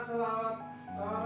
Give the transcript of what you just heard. selamat sampai dulu ya